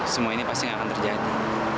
semua ini pasti akan terjadi